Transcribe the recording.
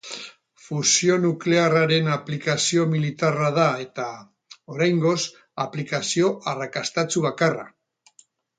Fusio nuklearraren aplikazio militarra da eta, oraingoz, aplikazio arrakastatsu bakarra.